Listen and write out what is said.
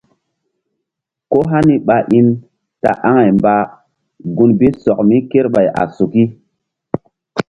Ko hani ɓa in ta aŋay mba gun bi sɔk mi kerɓay a suki.